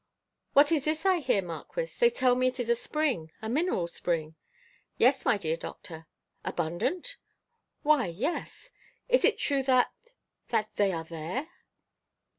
"What is this I hear, Marquis? They tell me it is a spring a mineral spring?" "Yes, my dear doctor." "Abundant?" "Why, yes." "Is it true that that they are there?"